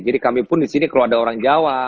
jadi kami pun disini kalau ada orang jawa